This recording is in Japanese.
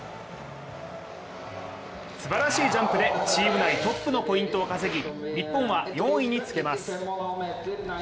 すばらしいジャンプでチーム内トップのポイントを稼ぎ日本は４位につけます。